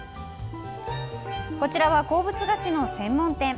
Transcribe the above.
こちらは、鉱物菓子の専門店。